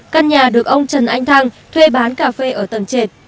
căn nhà được ông trần anh thăng thuê bán cà phê ở tầng trệt